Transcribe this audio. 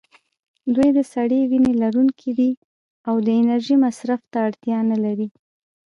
دوی د سړې وینې لرونکي دي او د انرژۍ مصرف ته اړتیا نه لري.